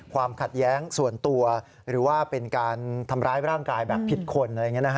ความขัดแย้งส่วนตัวหรือว่าเป็นการทำร้ายร่างกายผิดคน